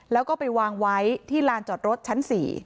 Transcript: แล้วก็ไปวางไว้ที่ลานจอดรถชั้น๔